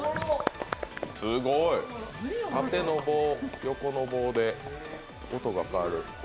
すごい、縦の棒、横の棒で音が変わる。